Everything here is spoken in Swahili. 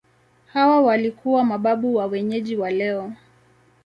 Hawa walikuwa mababu wa wenyeji wa leo.